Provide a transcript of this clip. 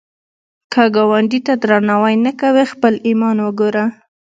که ګاونډي ته درناوی نه کوې، خپل ایمان وګوره